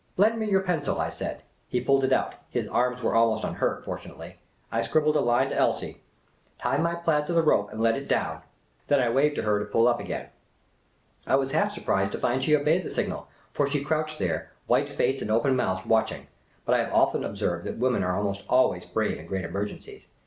"Lend me your pencil," I said. He pulled it out — his arms were almost unhurt, fortun ately. I scribbled a line to Elsie. " Tie my plaid to the rope and let it down." Then I waved to her to pull up again. I was half surprised to find she obeyed the signal, for she crouched there, white faced and open mouthed, watching ; but I have often observed that women are almost always brave in great emergencies.